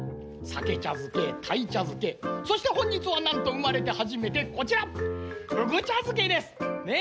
さけちゃづけたいちゃづけそしてほんじつはなんとうまれてはじめてこちらふぐちゃづけです！ね。